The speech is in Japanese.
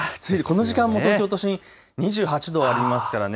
この時間も東京都心２８度ありますからね。